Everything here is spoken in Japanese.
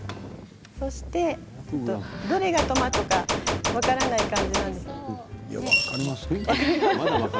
そしてどれがトマトか分からない感じなんですが。